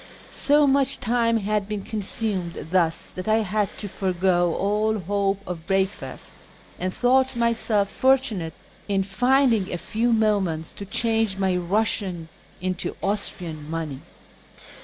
So much time had been consumed thus that I had to forego all hope of breakfast, and thought myself fortunate in finding a few moments to change my Eussian into Austrian money.